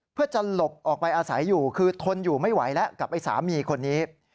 เพื่อจะหลบออกไปอาศัยอยู่คือทนอยู่ไม่ไหวแล้วกับไอ้สามีคนนี้